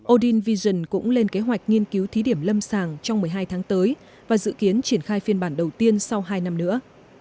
odin vision cũng lên kế hoạch nghiên cứu thí điểm lâm sàng trong một mươi hai tháng tới và dự kiến triển khai phiên bản đầu tiên sau hai năm nữa